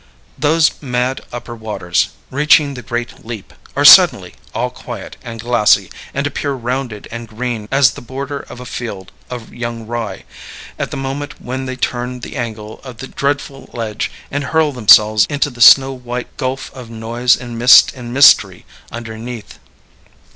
Those mad upper waters reaching the great leap are suddenly all quiet and glassy, and appear rounded and green as the border of a field of young rye, at the moment when they turn the angle of the dreadful ledge and hurl themselves into the snow white gulf of noise and mist and mystery underneath.